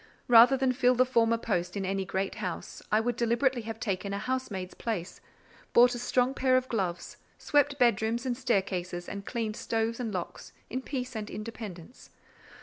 Rather than fill the former post in any great house, I would deliberately have taken a housemaid's place, bought a strong pair of gloves, swept bedrooms and staircases, and cleaned stoves and locks, in peace and independence.